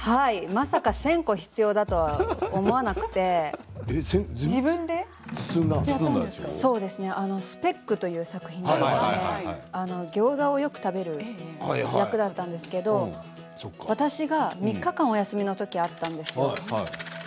まさか１０００個必要だと思わなくて「ＳＰＥＣ」という作品でギョーザをよく食べる役だったんですけれど私が３日間お休みの時だったんです。